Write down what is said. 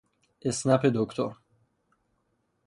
اسنپ دکتر